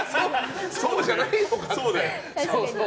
そうじゃないのかって。